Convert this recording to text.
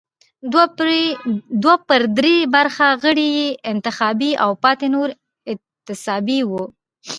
دوه پر درې برخه غړي یې انتخابي او پاتې نور انتصابي وو.